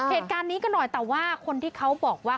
เหตุการณ์นี้ก็หน่อยแต่ว่าคนที่เขาบอกว่า